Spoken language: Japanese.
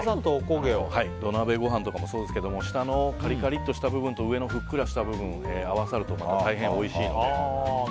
土鍋ご飯とかもそうですけど下のカリカリッとした部分と上のふっくらした部分合わさると大変おいしいので。